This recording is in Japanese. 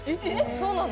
そうなの？